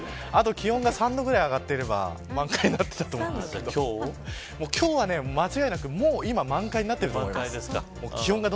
気温があと３度ぐらい上がっていれば満開だったんですけど今日は間違いなく今満開になっていると思います。